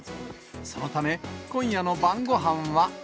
そのため、今夜の晩ごはんは。